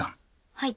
はい。